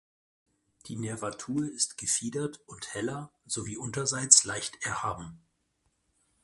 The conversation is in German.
Die Nervatur ist gefiedert und heller sowie unterseits leicht erhaben.